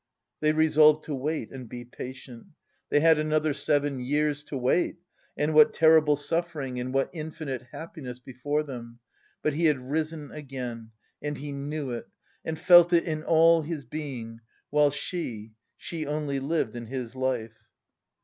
They resolved to wait and be patient. They had another seven years to wait, and what terrible suffering and what infinite happiness before them! But he had risen again and he knew it and felt it in all his being, while she she only lived in his life.